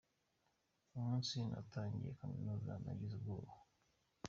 Umunsi natangiye kaminuza nagize ubwoba.